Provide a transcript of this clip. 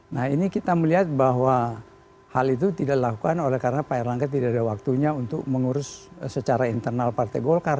nah ini kita melihat bahwa hal itu tidak dilakukan oleh karena pak erlangga tidak ada waktunya untuk mengurus secara internal partai golkar